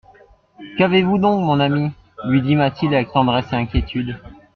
Qu'avez-vous donc mon ami ? lui dit Mathilde avec tendresse et inquiétude.